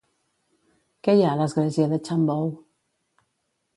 Què hi ha a l'església de Chambou?